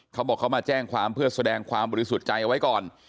เขาบอกเขามาแจ้งความเพื่อแสดงความบริสุทธิ์ใจเอาไว้ก่อน